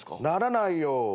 ならないよ。